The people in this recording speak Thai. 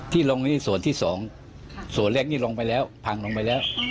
ลงนี่ส่วนที่สองส่วนแรกนี้ลงไปแล้วพังลงไปแล้ว